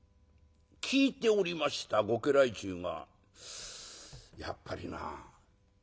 聞いておりましたご家来衆が「やっぱりな。